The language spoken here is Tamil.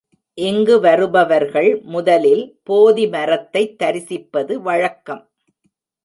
இங்கு வருபவர்கள் முதலில் போதி மரத்தை தரிசிப்பது வழக்கம்.